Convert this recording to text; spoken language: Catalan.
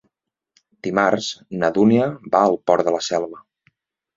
Dimarts na Dúnia va al Port de la Selva.